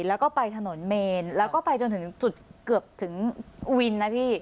แล้วก็ไปถนนเมนแล้วก็ไปจนถึงจุดเกือบถึงวินนะพี่